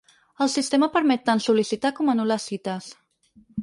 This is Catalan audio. El sistema permet tant sol·licitar com anul·lar cites.